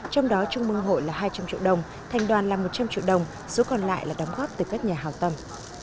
trong đó trung mương hội là hai trăm linh triệu đồng thành đoàn là một trăm linh triệu đồng số còn lại là đóng góp từ các nhà hào tâm